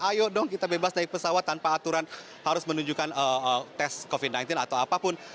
ayo dong kita bebas dari pesawat tanpa aturan harus menunjukkan tes covid sembilan belas atau apapun